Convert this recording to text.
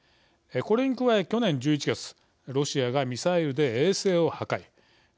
これに加え去年１１月ロシアがミサイルで衛星を破壊。